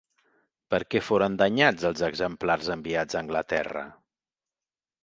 Per què foren danyats els exemplars enviats a Anglaterra?